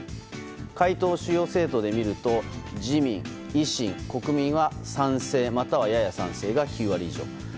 回答を主要政党で見ると自民、維新、国民は賛成、またはやや賛成が９割以上。